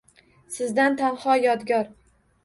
Sizdan tanho yodgor